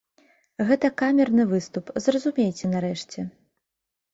Гэта камерны выступ, зразумейце нарэшце.